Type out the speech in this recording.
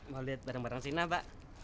mau liat barang barang cina mbak